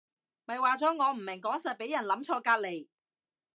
咪話咗我唔明講實畀人諗錯隔離